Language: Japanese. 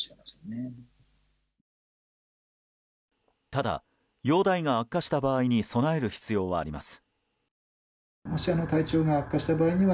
ただ、容体が悪化した場合に備える必要はあります。